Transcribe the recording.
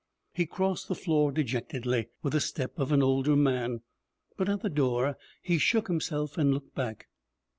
He crossed the floor dejectedly, with the step of an older man, but at the door he shook himself and looked back.